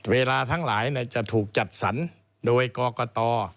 เวลาทั้งหลายจะถูกจัดสรรโดยกรกต